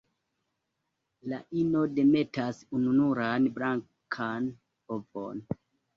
La ino demetas ununuran blankan ovon.